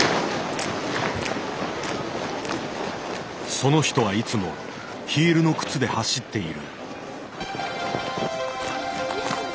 その人はいつもヒールの靴で走っている。